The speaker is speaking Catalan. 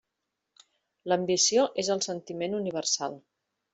L'ambició és el sentiment universal.